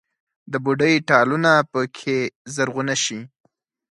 د بوډۍ ټالونه پکښې زرغونه شي